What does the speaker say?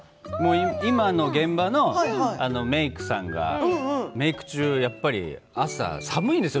今の現場のメークさんがメーク中、やっぱり朝寒いですよ